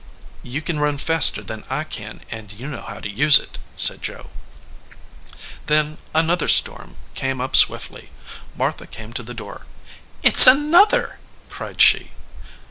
"You can run faster than I can, and you know how to use it," said Joe. Then another storm came up swiftly. Martha came to the door. "It s another!" cried she.